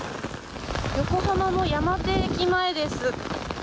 横浜の山手駅前です。